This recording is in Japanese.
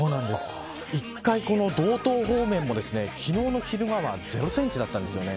１回道東方面も昨日の昼間は０センチだったんですよね。